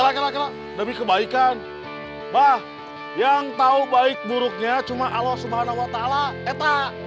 kelak kelak kelak demi kebaikan bah yang tau baik buruknya cuma allah subhanahu wa ta'ala etta